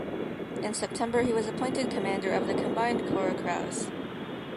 In September he was appointed commander of the "Combined Corps Krauss".